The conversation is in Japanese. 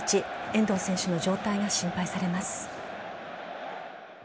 遠藤選手の状態が心配されます。